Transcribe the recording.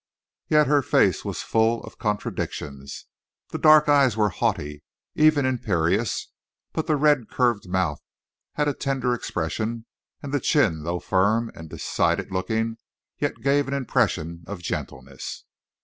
Yet her face was full of contradictions. The dark eyes were haughty, even imperious; but the red, curved mouth had a tender expression, and the chin, though firm and decided looking, yet gave an impression of gentleness.